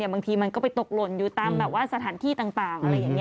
บางทีมันก็ไปตกหล่นอยู่ตามแบบว่าสถานที่ต่างอะไรอย่างนี้